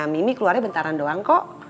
mimi keluarnya bentaran doang kok